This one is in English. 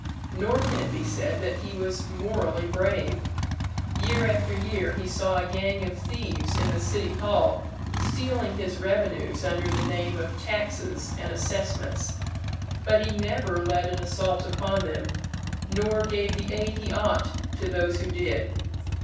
Nor can it be said that he was morally brave. Year after year he saw a gang of thieves in the City Hall stealing his revenues under the name of taxes and assessments, but he never led an assault upon them nor gave the aid he ought to those who did.